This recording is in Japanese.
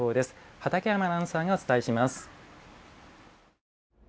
畠山アナウンサーがお伝えします。